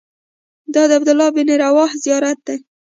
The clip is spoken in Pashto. دا د عبدالله بن رواحه زیارت دی.